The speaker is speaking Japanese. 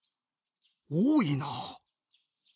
多いな。